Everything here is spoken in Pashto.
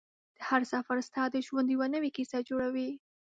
هر سفر ستا د ژوند یوه نوې کیسه جوړوي